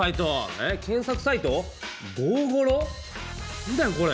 何だよこれ。